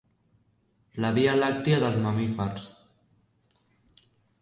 La via làctia dels mamífers.